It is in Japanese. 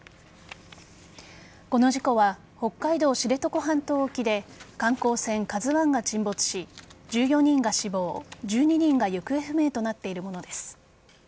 この事故は、北海道知床半島沖で観光船「ＫＡＺＵ１」が沈没し１４人が死亡１２人が行方不明となっているものです。